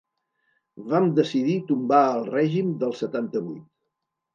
Vam decidir tombar el règim del setanta-vuit.